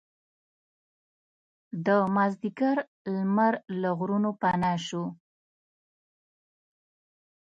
د مازدیګر لمر له غرونو پناه شو.